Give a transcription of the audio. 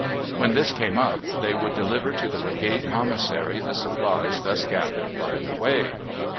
When this came up, they would deliver to the brigade commissary the supplies thus gathered by the way.